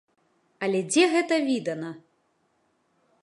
Але дзе гэта відана!